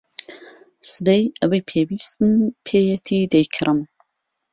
سبەی ئەوەی پێویستم پێیەتی دەیکڕم.